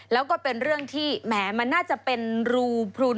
แล้วก็เป็นเรื่องที่แหมมันน่าจะเป็นรูพลุน